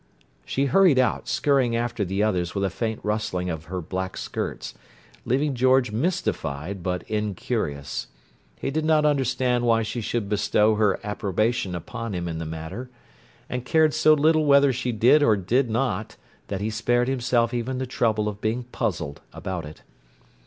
She hurried out, scurrying after the others with a faint rustling of her black skirts, leaving George mystified but incurious. He did not understand why she should bestow her approbation upon him in the matter, and cared so little whether she did or not that he spared himself even the trouble of being puzzled about it.